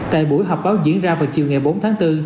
tại buổi họp báo diễn ra vào chiều ngày bốn tháng bốn